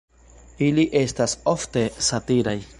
Ili estas ofte satiraj.